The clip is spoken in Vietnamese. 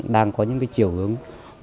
đang có những chiều hướng